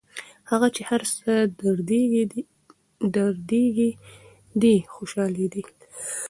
هغه چي هر څه دردېدی دی خوشحالېدی